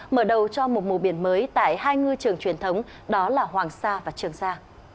mở đầu cho một mùa biển mới tại hai ngư trường truyền thống đó là hoàng sa và trường sa